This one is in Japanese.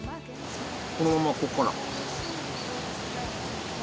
このままここから。